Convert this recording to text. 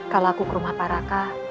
kalau aku ke rumah paraka